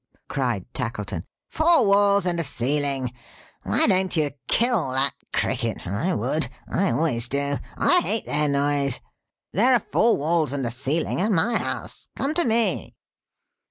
cried Tackleton. "Four walls and a ceiling! (why don't you kill that Cricket; I would! I always do. I hate their noise.) There are four walls and a ceiling at my house. Come to me!"